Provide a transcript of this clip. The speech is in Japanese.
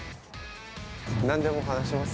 なんでも話します、